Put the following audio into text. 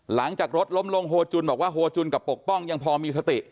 หลังจากรถล้มลงโฮจุนบอกว่าโฮจุนกับปกป้องยังพอมีสติ